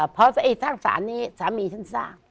เพราะสร้างสารนี้สามีฉันสร้าง